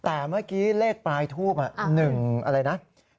แต่เมื่อกี้เลขปลายทูบ๑อะไรนะ